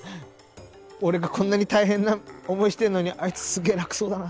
俺がこんなに大変な思いしてるのにあいつすげえ楽そうだな。